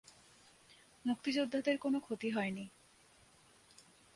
মুক্তিযোদ্ধাদের কোনো ক্ষতি হয়নি।